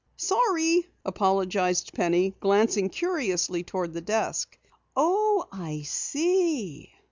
"Sorry," apologized Penny, glancing curiously toward the desk. "Oh, I see!"